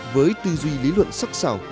với tư duy lý luận sắc xảo